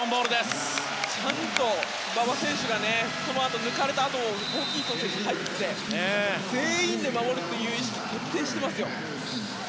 ちゃんと馬場選手が抜かれたあともホーキンソン選手が入ってきて全員で守るという意識を徹底していますよ。